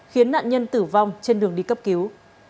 khiến nạn nhân tử vong trên đường đi cấp cứu